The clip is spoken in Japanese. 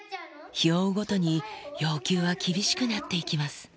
日を追うごとに、要求は厳しくなっていきます。